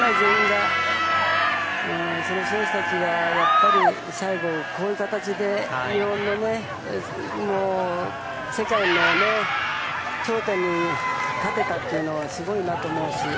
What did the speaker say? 選手たちが最後、こういう形で世界の頂点に立てたっていうのはすごいなと思うし。